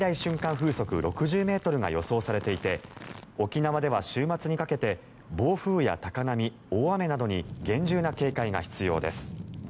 風速６０ｍが予想されていて沖縄では週末にかけて暴風や高波、大雨などに厳重な警戒が必要です。